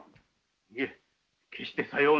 いえ決してさような。